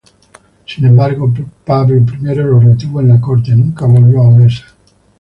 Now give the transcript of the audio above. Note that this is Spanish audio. Sin embargo, Pablo I lo retuvo en la Corte, nunca volvió a Odesa.